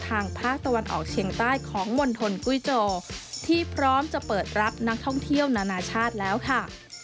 ทางภาคตะวันออกเชียงใต้ของมณฑลกุ้ยโจที่พร้อมจะเปิดรับนักท่องเที่ยวนานาชาติแล้วค่ะ